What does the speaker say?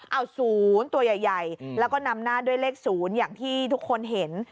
เอา๐ตัวใหญ่แล้วก็นำหน้าด้วยเลข๐อย่างที่ทุกคนเห็น